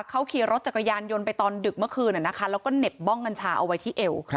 เขาขี่รถจักรยานยนต์ไปตอนดึกเมื่อคืนแล้วก็เหน็บบ้องกัญชาเอาไว้ที่เอว